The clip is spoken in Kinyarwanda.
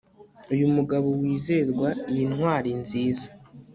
Uyu mugabo wizerwa iyi ntwari nziza